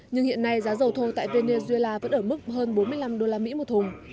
nhưng hiện nay giá dầu thô tại venezuela vẫn ở mức hơn bốn mươi năm usd một thùng